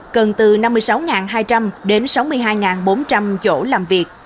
cần từ năm mươi sáu hai trăm linh đến sáu mươi hai bốn trăm linh chỗ làm việc